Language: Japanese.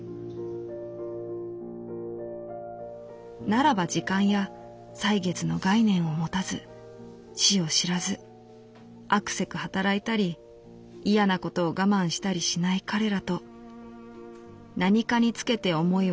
「ならば時間や歳月の概念を持たず死を知らずあくせく働いたり嫌なことを我慢したりしない彼らとなにかにつけて思い